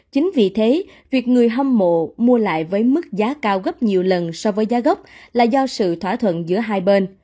chính vì thế việc người hâm mộ mua lại với mức giá cao gấp nhiều lần so với giá gốc là do sự thỏa thuận giữa hai bên